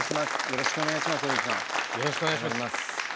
よろしくお願いします。